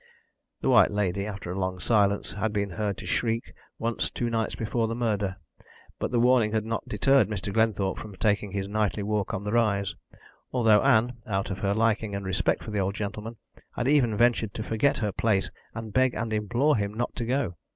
The White Lady, after a long silence, had been heard to shriek once two nights before the murder, but the warning had not deterred Mr. Glenthorpe from taking his nightly walk on the rise, although Ann, out of her liking and respect for the old gentleman, had even ventured to forget her place and beg and implore him not to go.